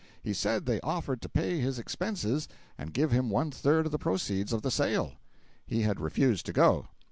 He said they offered to pay his expenses and give him one third of the proceeds of the sale. He had refused to go.